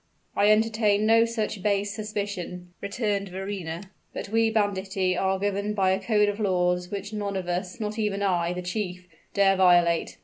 "I entertain no such base suspicion," returned Verrina. "But we banditti are governed by a code of laws which none of us not even I, the chief dare violate.